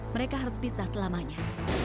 mereka harus pisah selamanya